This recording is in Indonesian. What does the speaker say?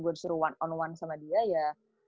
gue disuruh one on one sama dia ya